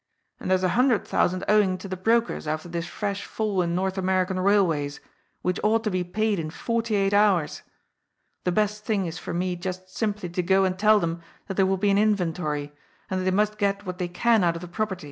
And there's a hundred thousand owing to the brokers after this fresh fall in North American Bailways, which ought to be paid in forty eight hours. The best thing is for me just simply to go and tell them that there will be an inventory, and that they must get what they can out of the proper^.